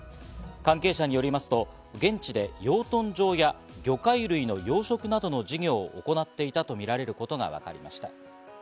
関係者によりますと、現地で養豚場や魚介類の養殖などの事業を行っていたとみられることがわかりました。